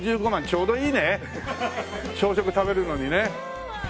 ちょうどいいね朝食食べるのにね。